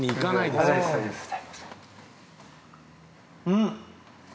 うん！